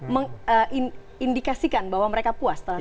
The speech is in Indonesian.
mengindikasikan bahwa mereka puas